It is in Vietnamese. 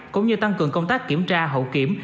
cũng như tăng cường công tác kiểm tra hậu kiểm